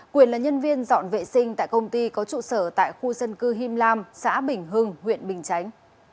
quyền là nhân viên dọn vệ sinh tại công ty có trụ sở tại khu dân cư him lam xã bình hưng huyện bình chánh